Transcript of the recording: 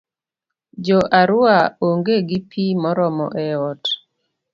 Jo Arua onge gi pi moromo e ot.